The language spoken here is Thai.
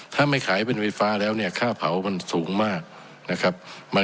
ถ้าไม่ขายเป็นไฟฟ้าแล้วเนี่ยค่าเผามันสูงมากนะครับ